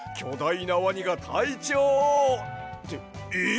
いなワニがたいちょうをってえっ！？